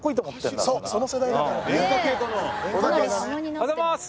おはようございます！